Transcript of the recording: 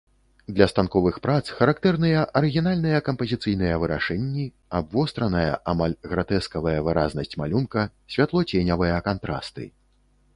Для станковых прац характэрныя арыгінальныя кампазіцыйныя вырашэнні, абвостраная, амаль гратэскавая выразнасць малюнка, святлоценявыя кантрасты.